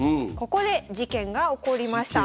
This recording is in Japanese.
ここで事件が起こりました。